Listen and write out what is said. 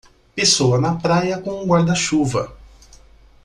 Pessoa na praia com um guarda-chuva.